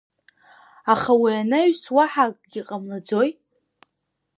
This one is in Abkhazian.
Аха уи анаҩс уаҳа акгьы ҟамлаӡои?